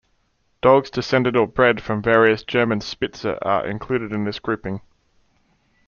Dogs descended or bred from various German Spitze are included in this grouping.